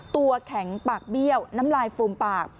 ตัวแข็งปากเบี้ยวน้ำลายฟูมปาก